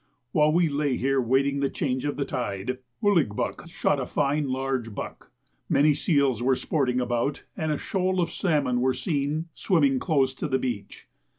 While we lay here waiting the change of the tide, Ouligbuck shot a fine large buck. Many seals were sporting about, and a shoal of salmon were seen swimming close to the beach.